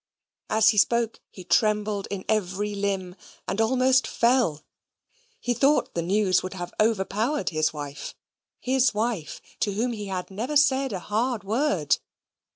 As he spoke, he trembled in every limb, and almost fell. He thought the news would have overpowered his wife his wife, to whom he had never said a hard word.